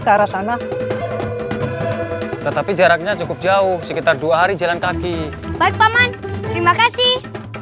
ke arah sana tetapi jaraknya cukup jauh sekitar dua hari jalan kaki baik paman terima kasih